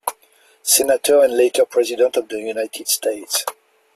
Senator and later President of the United States.